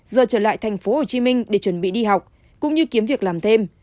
giờ trở lại thành phố hồ chí minh để chuẩn bị đi học cũng như kiếm việc làm thêm